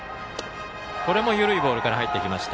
これも緩いボールから入りました。